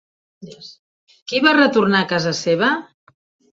Qui va retornar a casa seva?